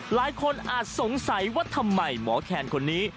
อาจสงสัยว่าทำไมหมอแคนคนนี้